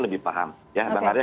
lebih paham bang arya